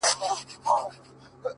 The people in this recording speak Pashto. څوک به نو څه رنګه اقبا وویني،